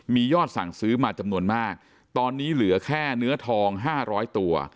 มียอดสั่งซื้อมาจำนวนมากตอนนี้เหลือแค่เนื้อทอง๕๐๐ตัว